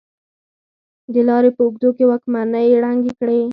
د لارې په اوږدو کې واکمنۍ ړنګې کړې.